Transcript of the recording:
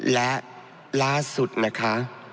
และล่าสุดนะคะ